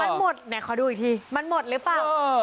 มันหมดไหนขอดูอีกทีมันหมดหรือเปล่า